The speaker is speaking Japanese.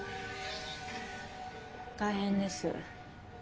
大変です。